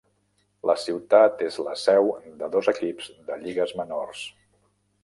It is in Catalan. La ciutat és la seu de dos equips de lligues menors.